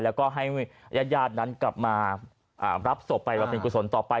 แล้วก็ให้ญาตินั้นกลับมารับศพไปบริเวณกุศลต่อไป